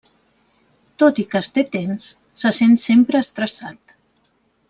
Tot i que es té temps, se sent sempre estressat.